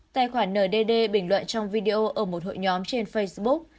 tài khoản ndd bình luận trong video ở một hội nhóm trên facebook